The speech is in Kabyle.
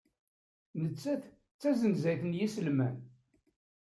Nettat d tasenzayt n yiselman.